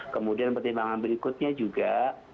kemudian pertimbangan berikutnya juga